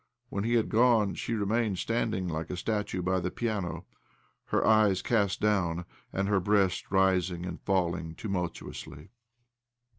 When he had gone she remained standing like a statue by the piano —her eyes cast down, and her breast rising and falling tumultuously.